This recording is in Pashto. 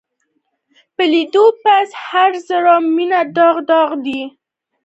په لیدو پسې هر زړه منې داغ داغ دی